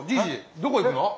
どこ行くの？